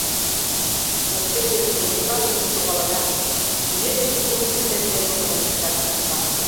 Покшеке Тимошка лектын шогалынат, нигӧ деч кужун куштен кертмыжым ончыкташ тырша.